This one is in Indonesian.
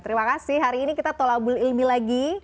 terima kasih hari ini kita tolabul ilmi lagi